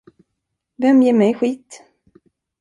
Vem ger mig skit?